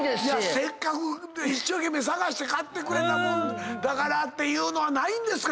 せっかく一生懸命探して買ってくれたもんだからってないんですか？